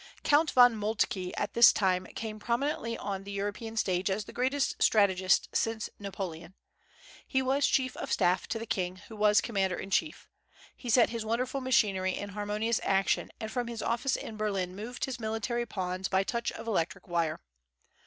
Count von Moltke at this time came prominently on the European stage as the greatest strategist since Napoleon. He was chief of staff to the king, who was commander in chief. He set his wonderful machinery in harmonious action, and from his office in Berlin moved his military pawns by touch of electric wire.